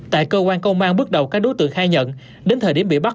tại cơ quan công an bước đầu các đối tượng khai nhận đến thời điểm bị bắt